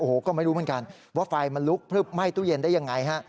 โอ้โหก็ไม่รู้เหมือนกันว่าไฟมันลุกพลึบไหม้ตู้เย็นได้ยังไงฮะ